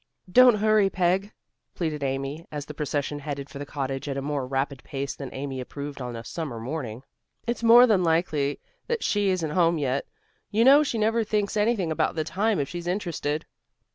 "Don't hurry, Peg," pleaded Amy, as the procession headed for the cottage at a more rapid pace than Amy approved on a summer morning. "It's more than likely that she isn't home yet. You know she never thinks anything about the time if she's interested."